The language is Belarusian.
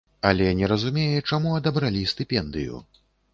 Але не разумее, чаму адабралі стыпендыю.